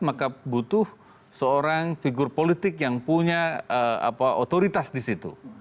maka butuh seorang figur politik yang punya otoritas di situ